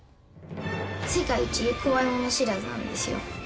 世界一怖いもの知らずなんですよ。